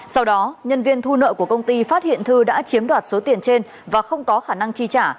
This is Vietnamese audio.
sau đó nhân viên thu nợ của công ty phát hiện thư đã chiếm đoạt số tiền trên và không có khả năng chi trả